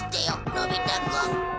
のび太くん。